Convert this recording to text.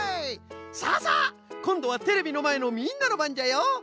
さあさあこんどはテレビのまえのみんなのばんじゃよ。